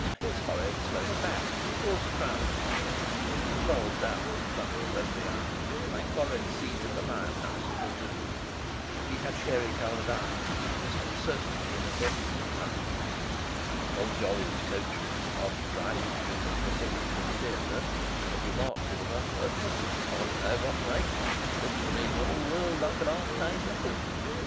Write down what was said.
His forehead sloped back towards the crown of his head, and bulged out in bumps over the eyes, like foreheads seen in the Lion house at the Zoo. He had sherry coloured eyes, disconcertingly inattentive at times. Old Jolyon's coachman, after driving June and Bosinney to the theatre, had remarked to the butler: "I dunno what to make of 'im. Looks to me for all the world like an 'alf tame leopard."